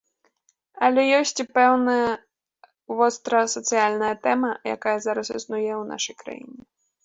Але ёсць і пэўная вострасацыяльная тэма, якая зараз існуе ў нашай краіне.